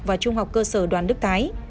và trung học cơ sở đoàn đức thái